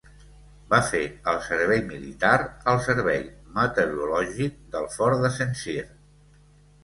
Va fer el servei militar al servei meteorològic del fort de Saint-Cyr.